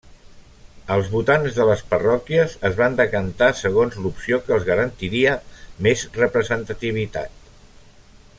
Els votants de les parròquies es van decantar segons l'opció que els garantiria més representativitat.